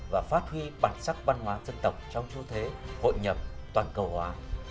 và phát huy bản sắc văn hóa dân tộc trong xu thế hội nhập toàn cầu hóa